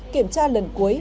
kiểm tra lần cuối